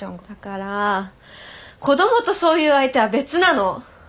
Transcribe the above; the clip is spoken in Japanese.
だから子どもとそういう相手は別なの！